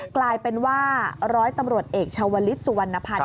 กลายเป็นว่าร้อยตำรวจเอกชาวลิศสุวรรณพันธ์